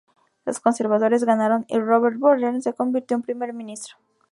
Los conservadores ganaron y Robert Borden se convirtió en primer ministro.